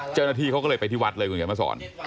เจ้าหน้าที่เขาก็เลยไปที่วัดเลยคุณเขียนมาสอน